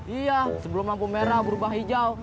iya sebelum lampu merah berubah hijau